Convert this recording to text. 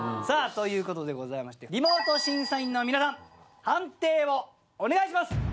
さぁということでございましてリモート審査員の皆さん判定をお願いします。